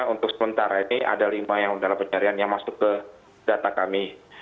untuk sementara ini ada lima yang dalam pencarian yang masuk ke data kami